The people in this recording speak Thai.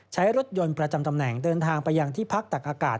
ใช้รถยนต์ประจำตำแหน่งเดินทางไปยังที่พักตักอากาศ